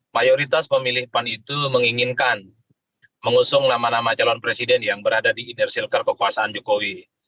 mayoritas pemilih pan itu menginginkan mengusung nama nama calon presiden yang berada di inner cilker kekuasaan jokowi